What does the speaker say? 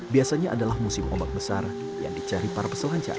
biasanya adalah musim ombak besar yang dicari para peselancar